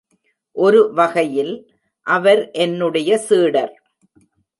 ஒரு வகையில் அவர் என்னுடைய சீடர்.